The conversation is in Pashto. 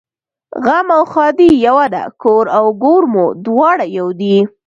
غم او ښادي یوه ده کور او ګور مو دواړه یو دي